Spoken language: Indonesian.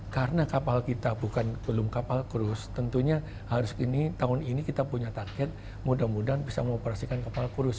karena kapal kita bukan belum kapal kurus tentunya harus ini tahun ini kita punya target mudah mudahan bisa mengoperasikan kapal kurus